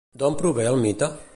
D'on prové el mite?